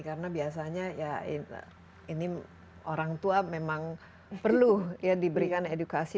karena biasanya ya ini orang tua memang perlu diberikan edukasi